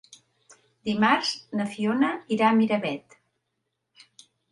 Dimarts na Fiona irà a Miravet.